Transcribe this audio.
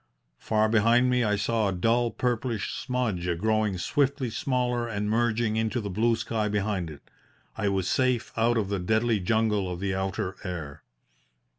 Far behind me I saw a dull, purplish smudge growing swiftly smaller and merging into the blue sky behind it. I was safe out of the deadly jungle of the outer air.